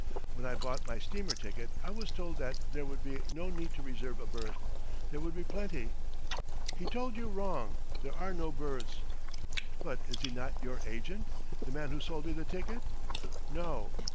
When I bought my steamer ticket I was told that there would be no need to reserve a berth there would be plenty." "He told you wrong. There are no berths." "But is he not your agent the man who sold me the ticket?" "No."